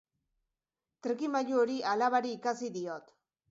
Trikimailu hori alabari ikasi diot.